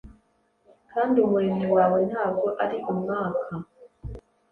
Kandi Umuremyi wawe ntabwo ari umwaka.